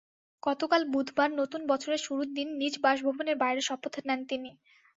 গতকাল বুধবার নতুন বছরের শুরুর দিন নিজ বাসভবনের বাইরে শপথ নেন তিনি।